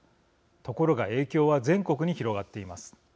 ところが影響は全国に広がっています。